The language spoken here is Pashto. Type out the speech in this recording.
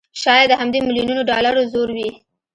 شايد د همدې مليونونو ډالرو زور وي